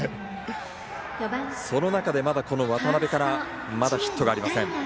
その中で、まだ渡邊からヒットがありません。